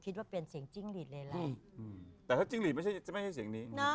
แต่สิ่งหนึ่ง